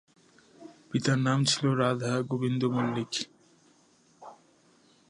পিতার নাম ছিল রাধাগোবিন্দ মল্লিক।